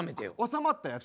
収まったやつ？